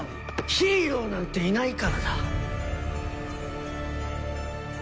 ヒーローなんていないからだ。